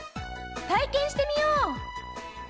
体験してみよう！